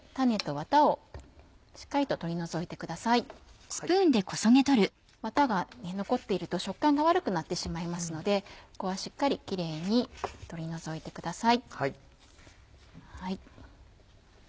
ワタが残っていると食感が悪くなってしまいますのでしっかりキレイに取り除いてください。